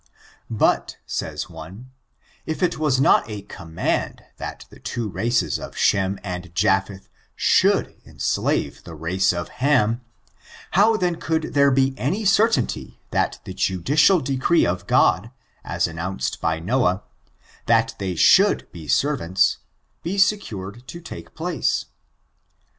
But, says one, if it was not a command that the two races of Shem and Japheth should enslave the race of Ham, how then could there be any certainty that the judicial decree of God, as announced by Noah, that they should be ser\'^ants, be secured to take place